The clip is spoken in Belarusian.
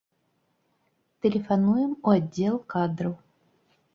Тэлефануем у аддзел кадраў.